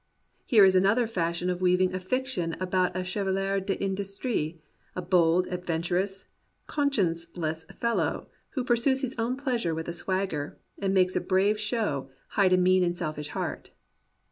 Here is another fashion of weaving a fiction about a chevalier d'in dustrie, a bold, adventurous, conscienceless fellow who pursues his own pleasure with a swagger, and makes a brave show hide a mean and selfish heart.